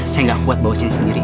saya gak kuat bawa sini sendiri